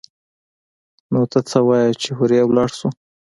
نو ته څه وايي چې هورې ولاړ سو؟